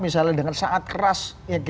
misalnya dengan sangat keras